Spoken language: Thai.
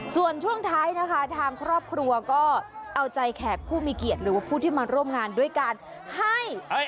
ส่วนช่วงท้ายนะคะทางครอบครัวก็เอาใจแขกผู้มีเกียรติหรือว่าผู้ที่มาร่วมงานด้วยการให้